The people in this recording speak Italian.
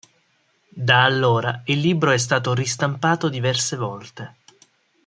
Da allora il libro è stato ristampato diverse volte.